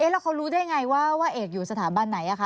แล้วเขารู้ได้ไงว่าเอกอยู่สถาบันไหนคะ